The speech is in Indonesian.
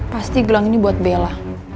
pasti gelang ini buat bella